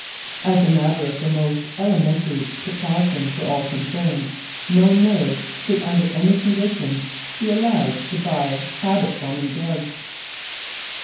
As a matter of the most elementary precaution for all concerned, no nurse should under any conditions be allowed to buy habit forming drugs.